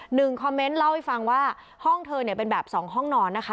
หนึ่งคอมเมนต์เล่าให้ฟังว่าห้องเธอเนี่ยเป็นแบบสองห้องนอนนะคะ